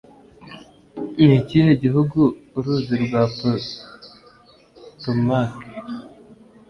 Ni ikihe gihugu uruzi rwa Potomac?